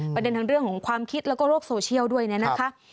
ประเด็นทั้งเรื่องของความคิดแล้วก็โลกโซเชียลด้วยเนี่ยนะคะ